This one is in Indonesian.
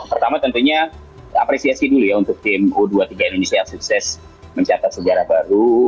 pertama tentunya apresiasi dulu ya untuk tim u dua puluh tiga indonesia sukses mencatat sejarah baru